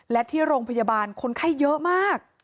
และที่โรงพยาบาลคนไข้เยอะมาก